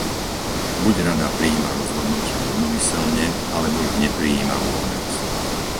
Buď Rada prijíma rozhodnutia jednomyseľne, alebo ich neprijíma vôbec.